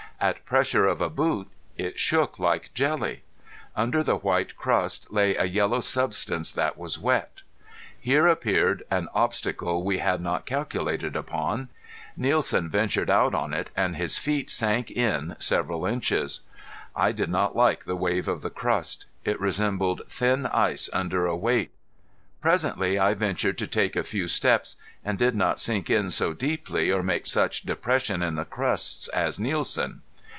At pressure of a boot it shook like jelly. Under the white crust lay a yellow substance that was wet. Here appeared an obstacle we had not calculated upon. Nielsen ventured out on it and his feet sank in several inches. I did not like the wave of the crust. It resembled thin ice under a weight. Presently I ventured to take a few steps, and did not sink in so deeply or make such depression in the crust as Nielsen.